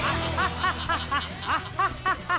ハハハハ！